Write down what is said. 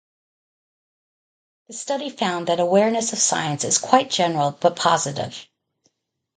The study found that awareness of science is quite general but positive.